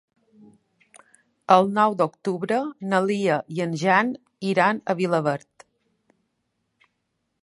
El nou d'octubre na Lia i en Jan iran a Vilaverd.